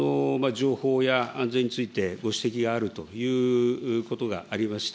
情報や安全についてご指摘があるということがありました。